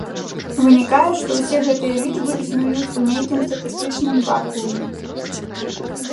Вынікае, што ўсе гэтыя лічбы існуюць у нейкім статыстычным вакууме.